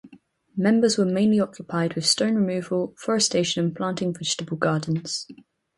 Members were mainly occupied with stone-removal, forestation and planting vegetable gardens.